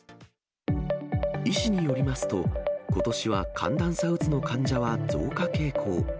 医師によりますと、ことしは寒暖差うつの患者は増加傾向。